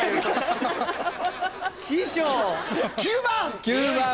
９番！